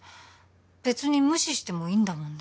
べつに無視してもいいんだもんね